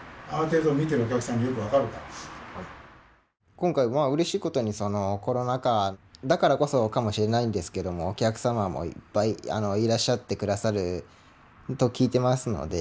今回まあうれしいことにそのコロナ禍だからこそかもしれないんですけれどもお客様もいっぱいいらっしゃってくださると聞いてますので。